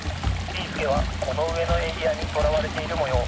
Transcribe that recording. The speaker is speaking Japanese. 「ビーすけはこのうえのエリアにとらわれているもよう。